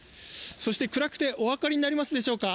そして暗くておわかりになりますでしょうか